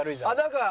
なんか。